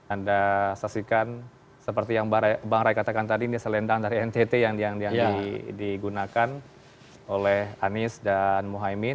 anda saksikan seperti yang bang rai katakan tadi ini selendang dari ntt yang digunakan oleh anies dan muhaymin